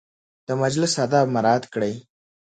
د مجلس اداب مراعت کړئ